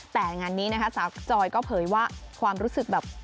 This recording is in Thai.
แต่งานนี้นะคะสาวจอยก็เผยว่าความรู้สึกแบบ